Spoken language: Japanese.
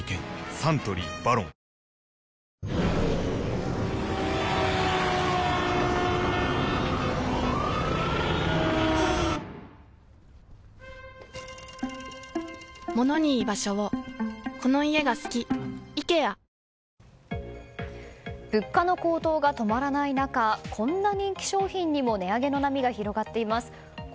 サントリー「ＶＡＲＯＮ」物価の高騰が止まらない中こんな人気商品にも値上げの波が広がっています。